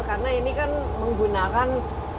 karena ini kan menggunakan